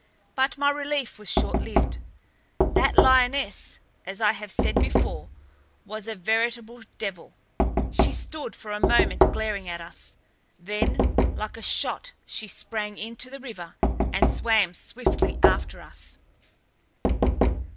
But my relief was short lived. That lioness, as I have said before, was a veritable devil. She stood for a moment glaring at us, then like a shot she sprang into the river and swam swiftly after us.